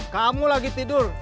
kamu lagi tidur